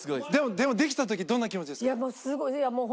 でもできた時どんな気持ちですか？